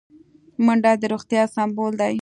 منډه د روغتیا سمبول دی